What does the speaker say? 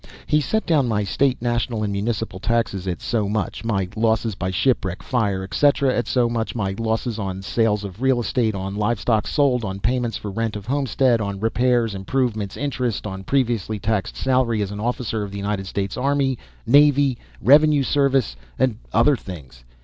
He set down my "State, national, and municipal taxes" at so much; my "losses by shipwreck; fire, etc.," at so much; my "losses on sales of real estate" on "live stock sold" on "payments for rent of homestead" on "repairs, improvements, interest" on "previously taxed salary as an officer of the United States army, navy, revenue service," and other things.